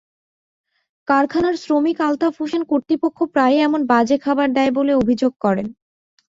কারখানার শ্রমিক আলতাফ হোসেন কর্তৃপক্ষ প্রায়ই এমন বাজে খাবার দেয় বলে অভিযোগ করেন।